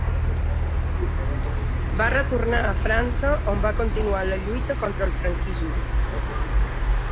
Va retornar a França, on va continuar la lluita contra el franquisme.